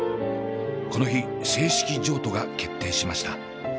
この日正式譲渡が決定しました。